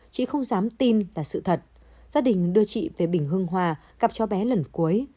chứ không dám tin là sự thật gia đình đưa chị về bình hưng hòa gặp cháu bé lần cuối